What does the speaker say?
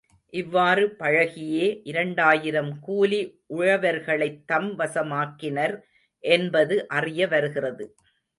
இவ்வாறு பழகியே இரண்டாயிரம் கூலி உழவர்களைத் தம் வசமாக்கினர் என்பது அறிய வருகிறது.